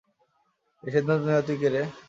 এই সিদ্ধান্ত নেয়ার তুই কে-রে?